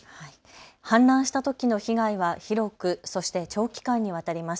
氾濫したときの被害は広くそして長期間にわたります。